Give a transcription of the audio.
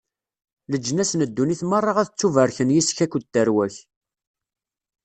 Leǧnas n ddunit meṛṛa ad ttubarken yis-k akked tarwa-k.